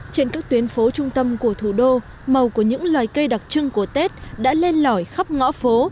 trên các tuyến phố trung tâm của thủ đô màu của những loài cây đặc trưng của tết đã lên lõi khắp ngõ phố